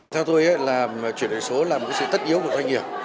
theo tôi là chuyển đổi số là một sự tất yếu của doanh nghiệp